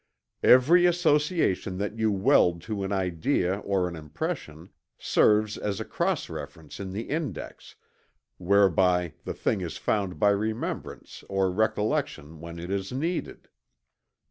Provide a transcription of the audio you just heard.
Every association that you weld to an idea or an impression, serves as a cross reference in the index, whereby the thing is found by remembrance or recollection when it is needed.